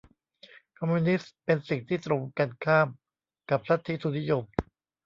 คอมมิวนิสต์เป็นสิ่งที่ตรงกันข้ามกับลัทธิทุนนิยม